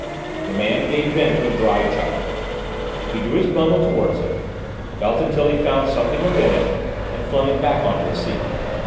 The man gave vent to a dry chuckle. He drew his bundle towards him, felt until he found something within it, and flung it back on to the seat.